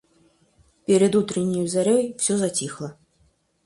Перед утреннею зарей всё затихло.